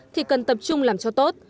thì cần tập trung làm cho tốt